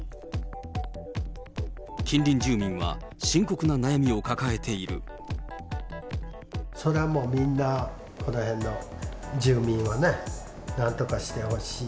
近隣住民は深刻な悩みを抱えていそれはもう、みんな、この辺の住民はね、なんとかしてほしい。